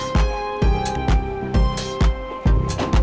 wah bukan kepala kami